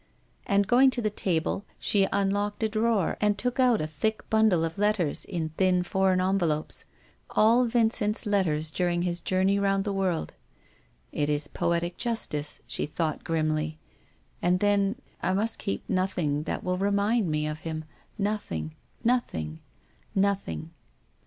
" And, going to the table, she unlocked a drawer and took out a thick bundle of letters in thin foreign envelopes ; all Vincent's letters during THE WOMAN IN THE GLASS. 319 his journey round the world. " It is poetic justice," she thought grimly ;" and then — I must keep nothing that will remind me of him — nothing — nothing — nothing